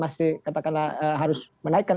masih katakanlah harus menaikkan